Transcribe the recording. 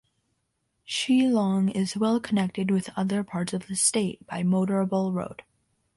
Shillong is well connected with other parts of the State by motorable road.